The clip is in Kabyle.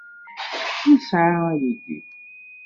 Nesɛa aydi.